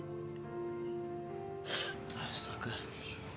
tak usah kak